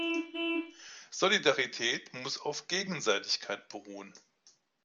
Solidarität muss auf Gegenseitigkeit beruhen.